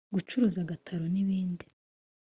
gucuruza agataro n’ibindi